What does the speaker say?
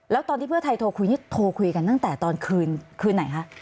แล้วตอนที่เพื่อไทยโทรคุยนี่โทรคุยกันตั้งแต่ตอนคืนคืนไหนคะ